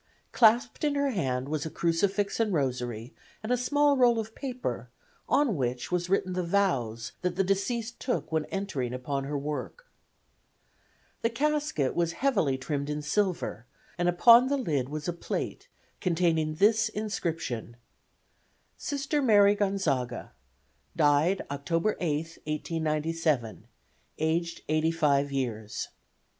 Clasped in her hand was a crucifix and rosary and a small roll of paper, on which was written the vows that the deceased took when entering upon her work. The casket was heavily trimmed in silver, and upon the lid was a plate containing this inscription: "Sister Mary Gonzaga, died October 8, 1897, aged 85 years."